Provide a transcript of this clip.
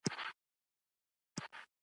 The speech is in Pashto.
آیا د بورې فابریکه فعاله ده؟